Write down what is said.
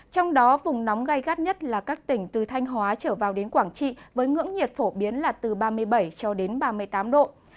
trong đó vùng nóng gai gắt nhất là các tỉnh từ thanh hóa trở vào đến quảng trị với ngưỡng nhiệt phổ biến là từ ba mươi bảy cho đến ba mươi tám độ